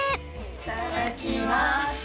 いただきます！